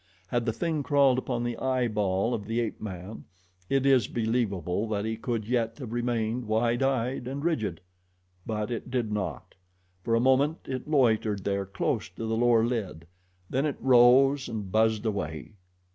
Had the thing crawled upon the eyeball of the ape man, it is believable that he could yet have remained wide eyed and rigid; but it did not. For a moment it loitered there close to the lower lid, then it rose and buzzed away.